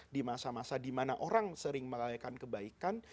di masa masa dimana orang sering melahirkan kebaikan